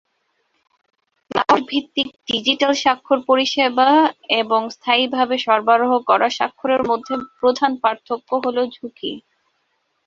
Cloud ভিত্তিক digital স্বাক্ষর পরিষেবা এবং স্থানীয়ভাবে সরবরাহ করা স্বাক্ষরের মধ্যে প্রধান পার্থক্য হল ঝুঁকি।